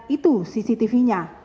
itu cctv nya